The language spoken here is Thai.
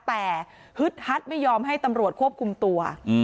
แต่ฮึดฮัดไม่ยอมให้ตำรวจควบคุมตัว